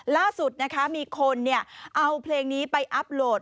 ล่าสุดนะคะมีคนเอาเพลงนี้ไปอัพโหลด